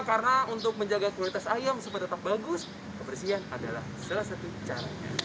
karena untuk menjaga kualitas ayam sempat tetap bagus kebersihan adalah salah satu caranya